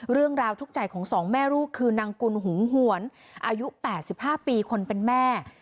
เรื่องราวทุกข์ใจของสองแม่ลูกคือนางกุลหุงหวนอายุ๘๕ปีคนเป็นแม่